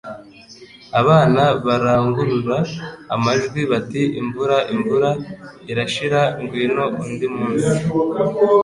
Abana barangurura amajwi bati Imvura imvura irashira Ngwino undi munsi